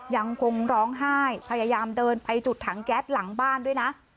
ยังคงร้องไห้พยายามเดินไปจุดถังแก๊สหลังบ้านด้วยนะ